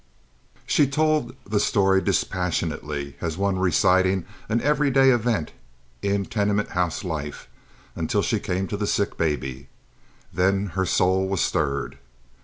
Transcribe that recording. She told the story dispassionately, as one reciting an every day event in tenement house life, until she came to the sick baby. Then her soul was stirred.